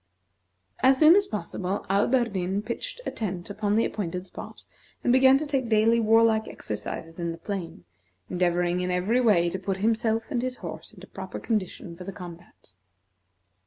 As soon as possible, Alberdin pitched a tent upon the appointed spot, and began to take daily warlike exercise in the plain, endeavoring in every way to put himself and his horse into proper condition for the combat.